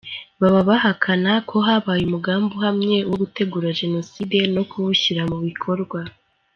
Baba bahakana ko habaye umugambi uhamye wo gutegura Jenoside no kuwushyira mu bikorwa.